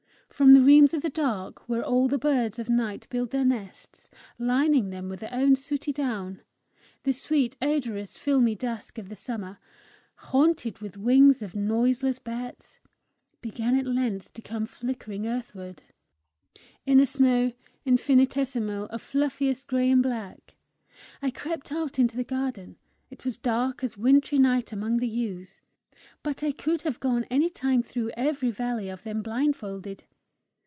From the realms of the dark, where all the birds of night build their nests, lining them with their own sooty down, the sweet odorous filmy dusk of the summer, haunted with wings of noiseless bats, began at length to come flickering earthward, in a snow infinitesimal of fluffiest gray and black: I crept out into the garden. It was dark as wintry night among the yews, but I could have gone any time through every alley of them blind folded.